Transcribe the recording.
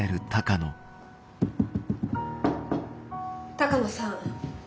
・鷹野さん。